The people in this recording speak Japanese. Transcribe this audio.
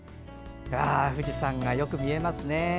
富士山がよく見えますね。